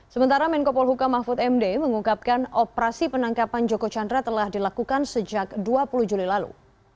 sementara menko polhuka mahfud md mengungkapkan operasi penangkapan joko chandra telah dilakukan sejak dua puluh juli lalu